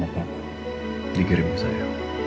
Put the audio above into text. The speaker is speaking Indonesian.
sama papa dikirim ke saya